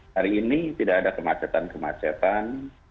hari ini tidak ada kemacetan kemacetan